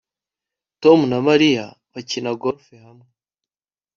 Tom na Mariya bakina golf hamwe